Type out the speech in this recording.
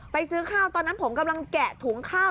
ซื้อข้าวตอนนั้นผมกำลังแกะถุงข้าว